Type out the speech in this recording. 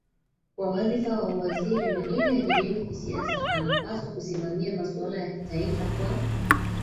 kwa wadhifa wa uwaziri na ili ajijenge kisiasa anapaswa kusimamia masuala ya kitaifa kwa